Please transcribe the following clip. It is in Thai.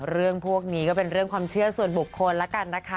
เรื่องพวกนี้ก็เป็นเรื่องความเชื่อส่วนบุคคลแล้วกันนะคะ